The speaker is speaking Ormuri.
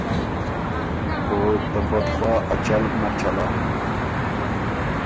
او ته بد خواه ا چل نک چلا “